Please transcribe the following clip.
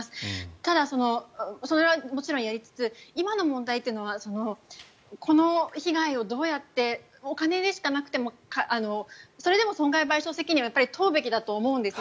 ただ、それはもちろんやりつつ今の問題というのはこの被害をどうやってお金でしかなくてもそれでも損害賠償責任は問うべきだと思うんですね。